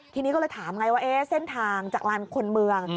ทีนี้ก็เลยถามไงว่าเส้นทางจากลานคนเมือง